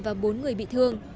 và bốn người bị thương